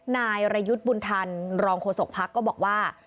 นายรยุทธ์บุญธรรมรองโฆษกภักดิ์ก็บอกว่า